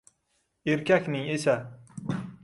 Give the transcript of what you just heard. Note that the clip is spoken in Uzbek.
Erkakning esa